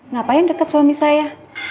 ngapain deket suami saya